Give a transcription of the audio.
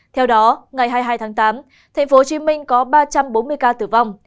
theo đó ngày hai mươi hai tháng tám tp hcm có ba trăm bốn mươi ca tử vong